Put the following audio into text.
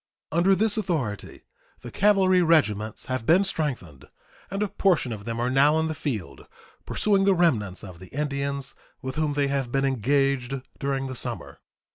Under this authority the cavalry regiments have been strengthened, and a portion of them are now in the field pursuing the remnants of the Indians with whom they have been engaged during the summer.